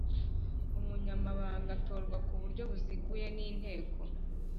Umunyamabanga atorwa ku buryo buziguye n inteko